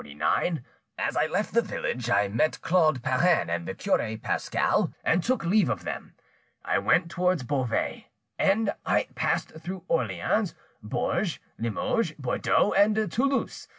As I left the village, I met Claude Perrin and the cure Pascal, and took leave of them. I went towards Beauvais, end I passed through Orleans, Bourges, Limoges, Bordeaux, and Toulouse.